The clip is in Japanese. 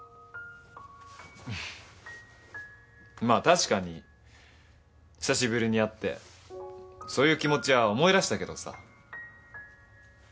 まあ確かに久しぶりに会ってそういう気持ちは思い出したけどさ。